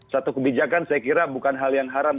satu kebijakan saya kira bukan hal yang haram